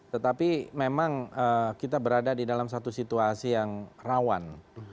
tetapi memang kita berada di dalam satu situasi yang rawan